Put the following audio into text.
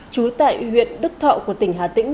chú tại huyện đức thọ của tỉnh hà tĩnh